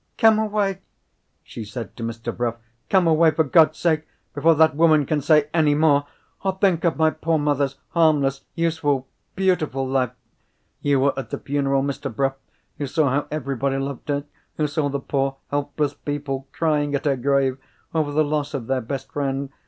"Come away!" she said to Mr. Bruff. "Come away, for God's sake, before that woman can say any more! Oh, think of my poor mother's harmless, useful, beautiful life! You were at the funeral, Mr. Bruff; you saw how everybody loved her; you saw the poor helpless people crying at her grave over the loss of their best friend.